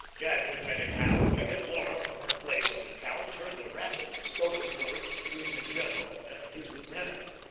Jadwin met him half way, and Laura from her place on the couch heard the rapidly spoken words between the general and his lieutenant.